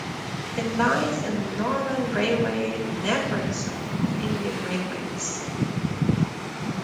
It lies in the Northern railway network zone of Indian Railways.